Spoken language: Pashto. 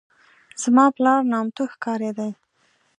زما پلار نامتو ښکاري دی.